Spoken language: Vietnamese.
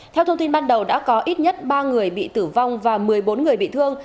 theo thông tin ban đầu đã có ít nhất ba người bị tử vong và một mươi bốn người bị thương